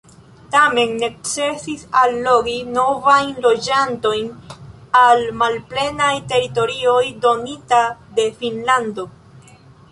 Tamen necesis allogi novajn loĝantojn al malplenaj teritorioj donita de Finnlando.